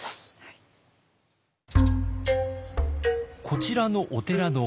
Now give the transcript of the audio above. こちらのお寺の鐘。